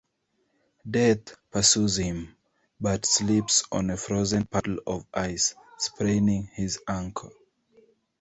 Death pursues him, but slips on a frozen puddle of ice, spraining his ankle.